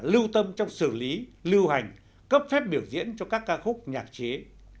lưu tâm trong xử lý lưu hành cấp phép biểu diễn cho các ca khúc nhạc chế